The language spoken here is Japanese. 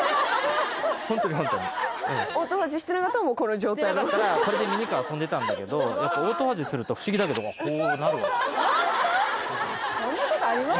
ホントにホントにオートファジーしてなかったらこの状態してなかったらこれでミニカー遊んでたんだけどオートファジーすると不思議だけどこうなるそんなことあります？